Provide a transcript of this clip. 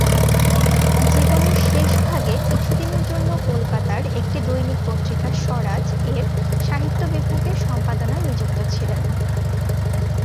জীবনের শেষভাগে কিছুদিনের জন্য কলকাতার একটি দৈনিক পত্রিকা "স্বরাজ"-এর সাহিত্য বিভাগের সম্পাদনায় নিযুক্ত ছিলেন।